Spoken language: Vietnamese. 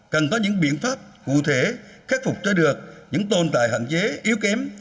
cần có những biện pháp cụ thể khắc phục cho được những tồn tại hạn chế yếu kém